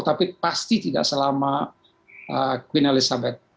tapi pasti tidak selama queen elizabeth